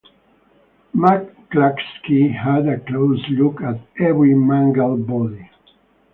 McCloskey had a close look at every mangled body.